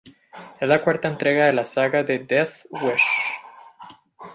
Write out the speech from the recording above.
Es la cuarta entrega de la saga de "Death Wish".